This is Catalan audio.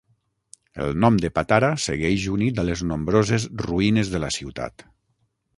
El nom de Patara segueix unit a les nombroses ruïnes de la ciutat.